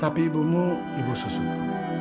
tapi ibumu ibu susungku